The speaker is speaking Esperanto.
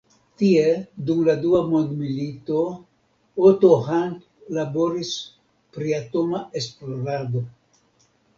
Tie dum la dua mondmilito, Otto Hahn laboris pri atoma esplorado.